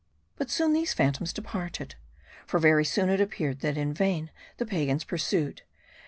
But soon these phantoms departed. For very soon it ap peared that in vain the pagans pursued.